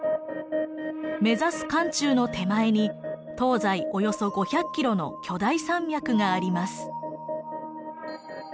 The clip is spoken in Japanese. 目指す漢中の手前に東西およそ５００キロの巨大山脈があります。